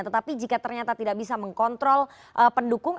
tetapi jika ternyata tidak bisa mengkontrol pendukung